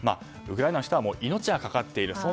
ウクライナの人は命がかかっている。